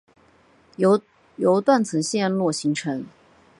由断层陷落形成。